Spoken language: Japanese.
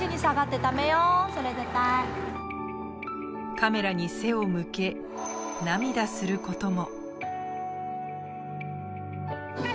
カメラに背を向け涙することも。